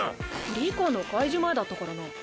里香の解呪前だったからな。